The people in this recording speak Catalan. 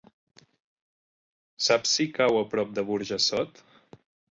Saps si cau a prop de Burjassot?